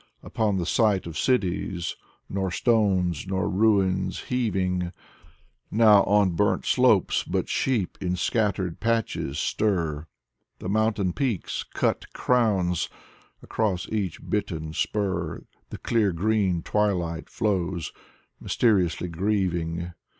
Upon the site of cities, nor stones, nor ruins heaving: Now on burnt slopes but sheep in scattered patches stir. The mountain peaks: cut crowns! Across each bitten spur The clear green twilight flows, mjrsteriously grieving.